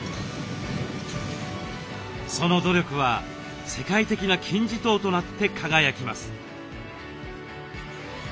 その努力は世界的な金字塔となって輝きます。